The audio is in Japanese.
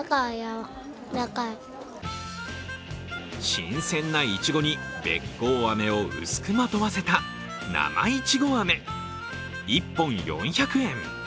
新鮮ないちごにべっこうあめを薄くまとわせた、生いちごあめ、１本４００円。